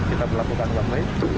kita telah melakukan buang buang ini